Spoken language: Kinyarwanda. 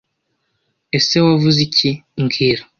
Ese Wavuze iki mbwira